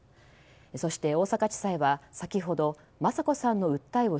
そして、大阪地裁は先ほど雅子さんの訴えを